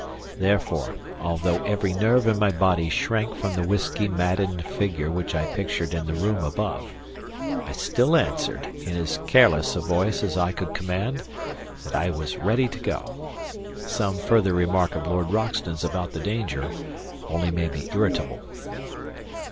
Therefore, although every nerve in my body shrank from the whisky maddened figure which I pictured in the room above, I still answered, in as careless a voice as I could command, that I was ready to go. Some further remark of Lord Roxton's about the danger only made me irritable.